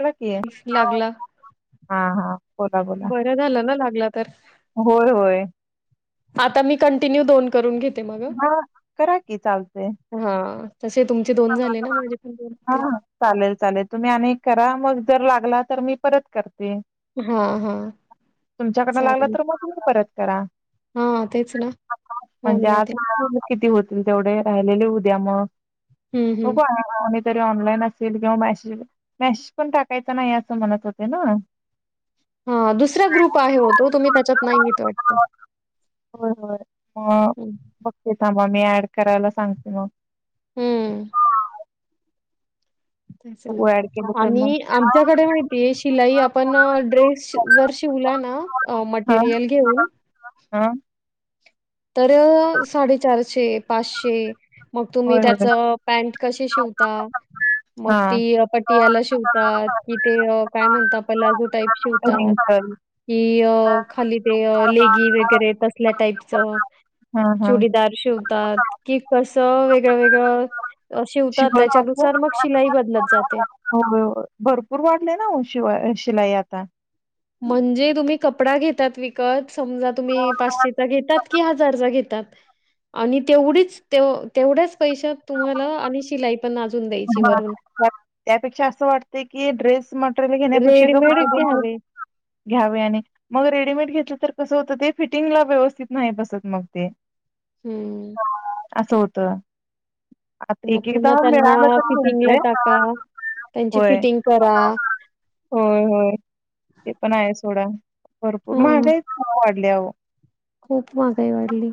बोला कि लागला हा हा बोला बोला बरं झालं ना लागला तर होय होय आता मी कंटिन्यू दोन करून घेत हा करा कि चालतेय हा तसे तुमचे दोन झाले ना माझे पण दोन हा होते चालेल चालेल तुम्ही अनेक करा मग जर लागला तर मी परत करते हा हा तुमच्याकडनं लागलं तर मग तुम्ही परत करा. हां तेच ना होऊन म्हणजे आज जातील. किती होतील तेवढे राहिलेले उद्या मग हं, हो हं. पण कोणीतरी ऑनलाईन असेल किंवा मॅशी मॅश पण टाकायचं नाही असं म्हणत होते ना, हा दुसरा ग्रुप आहे हो तो तुम्ही त्याच्यात नाहीेत वाटत हो होय मग हं, बघते थांबा मी ऍड करायला सांगते मग, हम्म तेचला सगळं ऍड केलं तर मग आणि आमच्याकडे माहितीय शिलाई आपण ड्रेस जर शिवला ना अ हा मटेरियल घेऊ हा तर साडेचारशे पाचशे मग तुम्ही होय होय त्याचं पॅन्ट कशी शिवता मग हा ती पटियाला शिवतात कि ते काय म्हणत आपण पलाजू टाईप शिवतात रिंकल कि अ हा खाली ते लेगी वगैरे तसल्या टाईपचं. हा हा दार शिवतात कि कसं वेगळं वेगळं शिवतात शिवल कसं त्याच्यानुसार मग शिलाई बदलत जाते हो भरपूर वाढले ना शिवा शिलाई आता म्हणजे तुम्ही कपडा घेतात विक समजा तुम्ही पाचशे घेतातकि हजार घेतात आणि तेवढीच तेवढ्याच पैशा तुम्हाला आणि शिलाई पण अजून दे ह त्यापेक्षा असं वाटते की ड्रेस मटेरियल घेण्यापेक्षा रेडीमेड घ्यावे. घ्यावे आणि मग रेडीमेड घेतलं तर कसं होतं ते फिटिंगला व्यवस्थित नाही बसत मग ते हम्म असं होत आता एक एकदा मिळाल फिटिंग ला टाका त्यांची होय फिटिंग करा होय होय ते पण आहे सोडा भरपूर हा महागाईवाढल्याहं खूप महागाई वाढली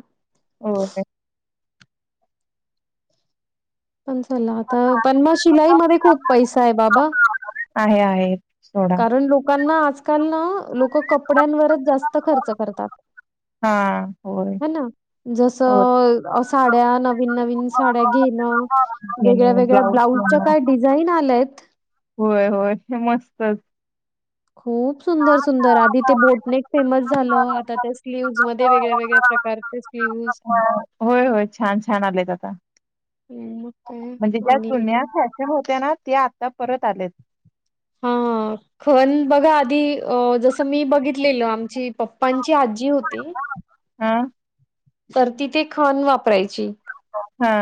हो पण चला आता पण मग शिलाईमध्ये‌ खूप पैसा आहे बाबा आहे आहे सोडा कारण लोकांना आजकाल ना लोक कपड्यांवरच जास्त खर्च करतात हा ह ना जसं साड्या नवीन नवीन साड्या घेणं वेगळ्या घेणं, वेगळ्या ब्लाऊज ब्लाऊजच्या शिवणं. काय डिझाईन आल्यातं. होय होय हे मस्तच खूप सुंदर सुंदर आधी ते बोटनेक फेमस झालं आता त्या स्लीव्हज मध्ये वेगळ्या वेगळ्या प्रकारचे स्लीव्हज होय होय छान छान आलेयत आता मग काय म्हणजे आणि ज्यान्या होत्या ना ते आता परत आलेत हा खण बघा आधी अ जसं मी बघितलेल आमची पप्पांची आजी होती हम तर तिथे खण वापरायची हा.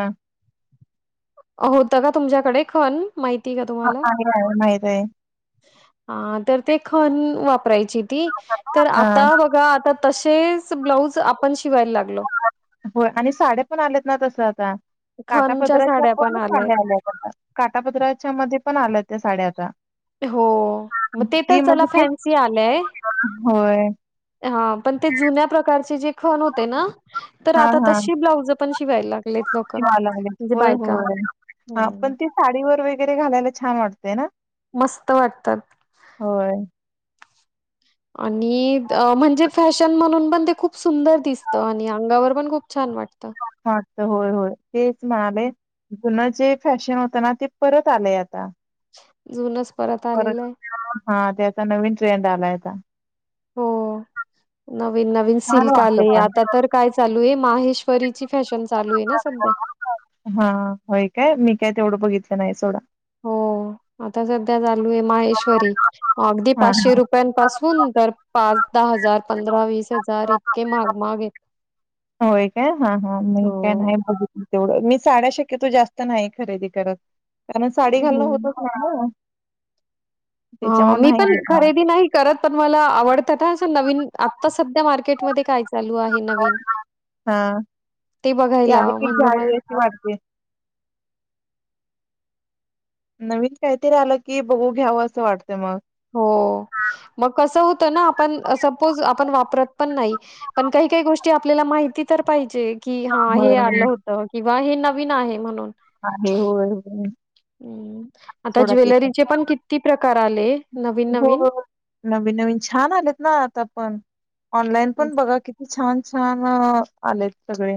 होत का तुमच्याकडे खण माहिती का तुम्हाला माहित आहे. आहे. माहीत आहे. हा तर ते खण वापरायची ती तर हां. आता बघा आता. तसेच ब्लाऊज आपण शिवायला लागलो हो आणि साड्यापण आलेत ना तसं आता खणच्या काटापद्रच्या साड्या पण आल्याय साड्या आल्यात आता काठापदराच्या मध्ये पण आल्या त्या साड्या आता हो मग ते तर ती चला म्हणजे ते फॅन्सी आलंय. होय. हा पण ते जुन्या प्रकारचे जे खण होते ना, तर आता तशी ब्लाउज पण शिवायला लागते. शिवालागलय होय होय हा हं, पण ते साडी वगैरे घालायला छान वाटतेय ना. मस्त वाटतात. होय. आणि म्हणजे फॅशन म्हणून पण ते खूप सुंदर दिसत. आणि अंगावर पण खूप छान वाटतं. हा तर होय होय तेच मिळालय. हं. जुन जे फॅशन होत ना ते परत आलंय आता जुूनच परत आलेलं आहे. हा त्याचा नवीन ट्रेंड आलायता. हो नवीन नवीन छान सिल्क वाटतं आले आता पण. तर काय चालू आहे माहेश परीची फॅशन चालू आहे ना सध्या हा होय काय मी काय तेवढं बघितलं नाही सोडा हो आता सध्या चालू आहे माहेश्वरी अगदी हा पाचशे हा. रुपय पासून तर पाच दहा हजार पंधरा विस पा हजार इतके मग मग आहेत होय काय हा हा मी काय हो. नाही बघितलं तेवढं मी साड्या शक्यतो जास्त नाही खरेदी करत कारण साडी घालणं हं. होतच नाही ना हा त्याच्यामुळे मी नाही पण घेत. खरेदी नाही. करत पण मला आवडतात नवीन आता सध्या मार्केटमध्ये काय. चालू आहे नवीन हा ते ती बघायला आली की म्हणजे मग घ्यावी वाटते. नवीन काहीतरी आलं की बघून घ्यावं असं वाटत मग हो मग कस होत ना आपण सपोज आपण वापरत पण नाही. पण काही काही गोष्टी आपल्याला माहिती तर पाहिजे. कि हा हे होय, आहे. आलं होत किंवा हे नवीन आहे म्हणून, हा हे होय होय. हम्म आता सोडा ते ज्वेलरीचे पण किती प्रकार आले नवीन नवीन नवीन नवीन छान आलेत ना, आता पण ऑनलाईन पण बघा किती छान छान आलेत सगळे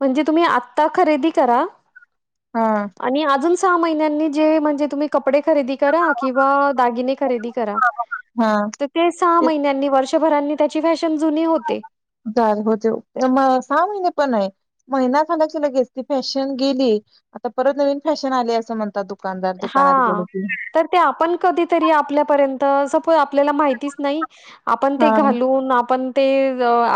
म्हणजे तुम्ही आत्ता खरेदी करा. हा. आणि अजून सहा महिन्यांनी जे म्हणजे तुम्ही कपडे खरेदी करा किंवा दागिने खरेदी करा. हा. ते सहा महिन्यांनी वर्षभरांनी त्याची फॅशन जुने होते. होते मग सहा महिने पण आहे. महिना झाल्याची लगेच ती फॅशन गेली आता परत नवीन फॅशन आली असं म्हणतात तु दुकानदार दुकानात हा गेलेते तर ते आपण कधीतरी आपल्यापर्यंत सपोज आपल्याला माहितीच नाही आपण ते हां. घालून आपण ते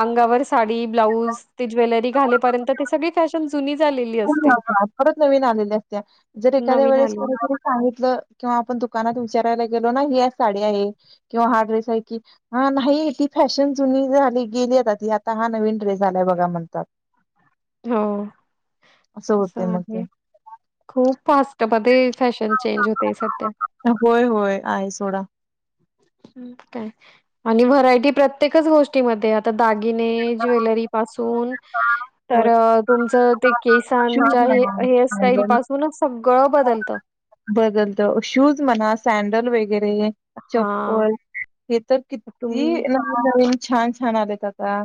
अंगावर साडी ब्लाऊज ते ज्वेलरी घालेपर्यंत ते सगळे शासन जुनी झालेली असते ज परत नवीन आलेल्या असत्या जर एखाद्या नवीन वेळेस आली सांगितलं किंवा आपण दुकानात विचारायला गेलो ना ही आ साडी आहे किंवा हा ड्रेस आहे कि हा नाही ती फॅशन जुनी झाली गेली आता ती आता हा नवीन ड्रेस झालाय बघा म्हणतात हो असं अस होतंय मग आहे ते. खूप फास्ट त्या मध्ये फॅशन चेंज होतेय सध्या होय, होय. आहे सोडा. मग काय आणि व्हरायटी प्रत्येकच गोष्टीमध्ये आता दागिने ज्वेलरी पासून तर होय. तुमचं ते शूज केसांच्या हे म्हणा, हेअरस्टाईल सँडल पासूनच सगळं बदलतं बदलत शूज म्हणा सॅडल वगैरे हा चप्पल हे तर तुम्ही किती छान छान आलेत आता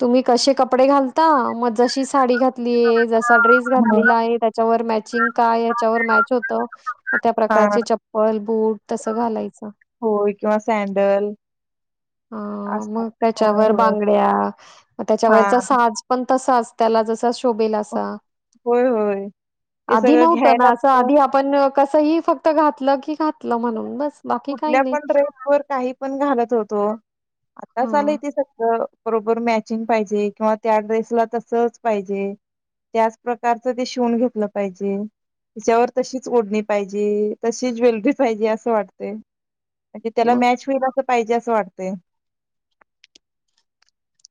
तुम्ही कसे कपडे घालता मग जशी साडी घात घली जसा ड्रेस हो. घातलेला आहे त्याच्यावर मॅचिंग काय याच्यावर मॅच होत मग त्या हा प्रकारचे चप्पल बूट तसं घालायचं होय किंवा सँडल अ असतात मग होय त्याच्यावर होय बांगड्या म हा त्याच्यावरचा साज पण त त्याला ज शोे होय होय ते आध सगळं घ्यायला नवत आध पण आपण कसही फक्त घातलं की घातलं म्हणून बस बाकी काही कुठल्या नाही पण ड्रेस वर काही पण घालत होतो आता हां, चालय ते सगळं बरोबर मॅचिंग पाहिजे किंवा त्या ड्रेसला तसच पाहिजे त्याच प्रकारचं ते शिवून घेतलं पाहिजे हेच्यावर तशीच ओढणी पाहिजे तशी ज्वेलरी पाहिजे असं वाटतंय म्हणजे त्याला मग मॅच होईल असं पाहिजे असं वाटतंय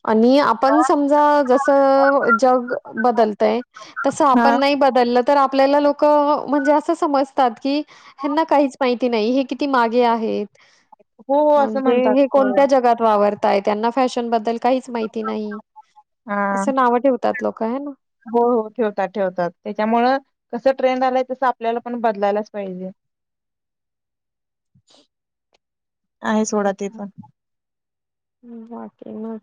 आणि पण समजा जस जग बदलतंय तस हा आपण नाही बदलं तर आपल्याला लोक म्हणजे असं समजतात की हेनां काही माहिती नाही हे किती मागे आहेत हो हो असं म्हणजे म्हणतात हे होय. कोणत्या जगात वावर त्यांना फॅशन बद्दल काहीच माहिती नाही हा असं नाव ठेवतात लोक ह ना हो हो ठेवतात ठेवतात त्याच्यामुळ कसं ट्रेंड आलाय तसं आपल्याला पण बदलायलाच पाहिजे [unintelligible] आहे सोडा ते अ्छ पण हम् बाकी ना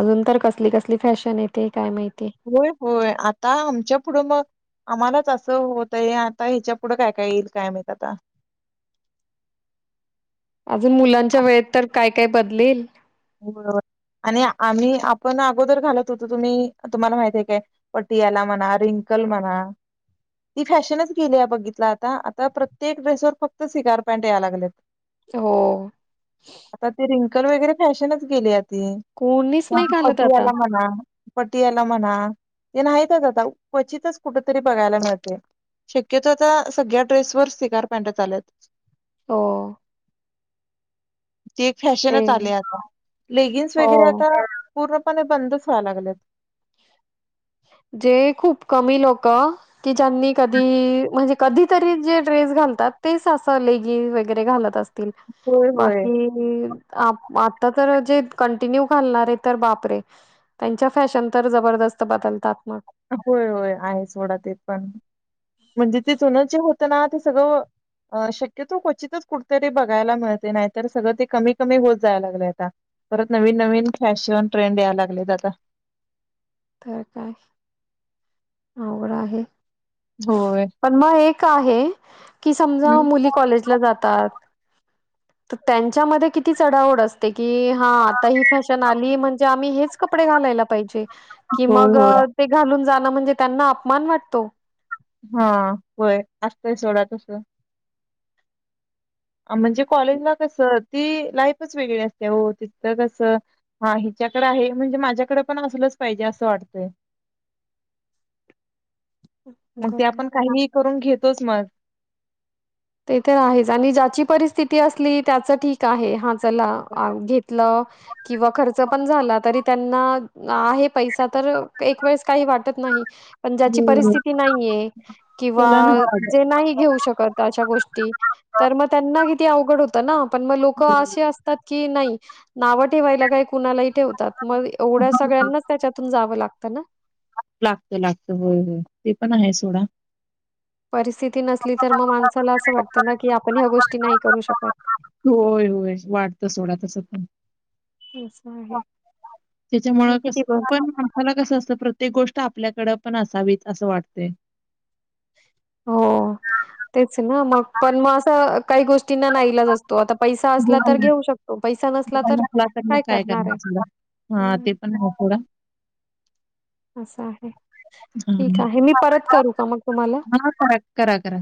अजून तर कसली कसली फॅशन येते काय माहिती होय होय आता आमच्या पुढं मग आम्हालाच असं होतय आता ह्याच्या पुढं काय काय येईल कायमत आता अजून मुलांच्या वेळेत तर काय काय बदलेल बरोबर आणि आम्ही आपण अगोदर घालत होतो तुम्ही तुम्हाला माहित आहेय काय पटियाला म्हणा रिंकल म्हणा ती फॅशनच गेली आहे बघितला आता आता प्रत्येक ड्रेसवर फक्त सिगार पॅन्ट यायला लागलेत हो आता ते रिंकल वगैरे फॅशनच गेलील्या ती कोणीच नाही घालत पट आता. आला म्हणा पटी याला म्हणा ते नाहीतच आता क्वचितच कुठ तरी बघायला मिळते शक्यतो आता सगळ्या ड्रेस वर स्िकार पॅनट चालेत हो तेे ते फॅशनच आले आता लेगिन्स वगैरे हो. आता पूर्णपणे बंदच व्हाय लागलेत. जे खूप कमी लोक की ज्यांनी कधी म्हणजे. कधीतरी जे ड्रेस घालतात तेच अस लेगीज वगैरे घालत असतील होय, होय. बाकी आता खर जे कंटिन्यू घालणारे तर बापरे. त्यांच्या फॅशन तर जबरदस्त बदलतात मग. होय, होय आहेच म्हणा ते पण म्हणजे ते जुनेचे जे होतं ना ते सगळं शक्यतो क्वचितच कुठेतरी बघायला मिळते नाहीतर सगळं ते कमी, कमी होत जायला लागलय आता. परत नवीन, नवीन फॅशन ट्रेंड यायला लागलेत आता. तर काय? आवड आहे होय. पण मग एक आहे कि समजा हम्म. मुली कॉलेज जातात तर त्यांच्यामध्ये किती चढाव ओढ अस की हा आता ही फॅशन आली म्हणजे आम्ही हेच कपडे घालायला पाहिजे कि होय, मग होय. ते घालून जाणं म्हणजे त्यांना अपमान वाटतो. हा, होय, असतय सोडा तस म्हणजे कॉलेजला कस ती लाईफच वेगळी असते हो तिथं कसं हा हिच्याकडे आहे म्हणजे माझ्याकडे पण असलंच पाहिजे असं वाटतय. मग ते बरं आपण काही करून घेतोच मग. ते तर आहेच आणि ज्याची परिस्थिती असली त्याच ठीक आहे हा चला घेत किंवा खर्च पण झाला तरी त्यांना आहे पैसा तर एक वेळेस काही वाटत नाही पण ज्याची हम्म परिस्थिती नाहीये किंवा त्याला नाही पाहिजे. जे नाही घेऊ शकत. अशा गोष्टी तर मग त्यांना किती अवघड होतं ना पण मग लोक असे असता की नाही नाव ठेवायला काही कुणालाही ठेवतात मग एवढ्या सगळ्यांनाच त्याच्यातून जावं लागत ना. लागत, लागत, होय, होय ते पण आहे सोडा. परिस्थिती नसली तर मग माणसाला असं वाटतं ना की आपण ह्या गोष्टी नाही करू शकत. होय, होय वाढतं सोडा तस पण. असं आहे त्याच्यामुळं कस पण मला कस असते प्रत्येक गोष्ट आपल्याकडे पण असावीत असं वाटते. हो तेच ना मग पण मग असं काही गोष्टींना नाही इलाज असत तो आता पैसा हो, असला तर हो. घेऊ शकतो पैसा नसला तर काय करणार आहे. हा ते हम्म पण आहे सोडा. असं आहे ठीक आहे. मी परत करू का मग तुम्हाला? हा का. करा, करा.